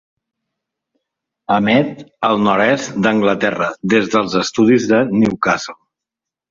Emet al nord-est d'Anglaterra des dels estudis de Newcastle.